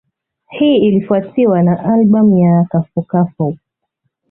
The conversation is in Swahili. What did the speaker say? Hii ilifuatiwa na albamu ya Kafou Kafou